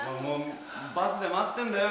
バスで待ってんだよ